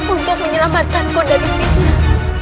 untuk menyelamatkan aku dari fitnah